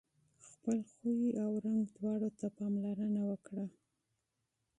خپل سیرت او صورت دواړو ته پاملرنه وکړه.